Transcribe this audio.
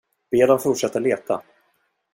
Be dem fortsätta leta.